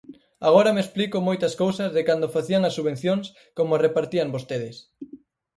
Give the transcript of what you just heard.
Agora me explico moitas cousas de cando facían as subvencións como as repartían vostedes.